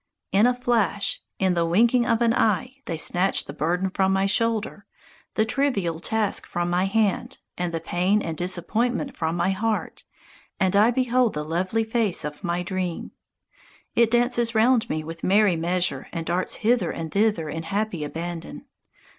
In a flash, in the winking of an eye they snatch the burden from my shoulder, the trivial task from my hand and the pain and disappointment from my heart, and I behold the lovely face of my dream. It dances round me with merry measure and darts hither and thither in happy abandon.